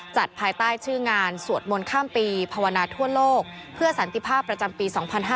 ภายใต้ชื่องานสวดมนต์ข้ามปีภาวนาทั่วโลกเพื่อสันติภาพประจำปี๒๕๕๙